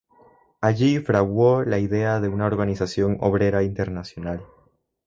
Allí fraguó la idea de una organización obrera internacional.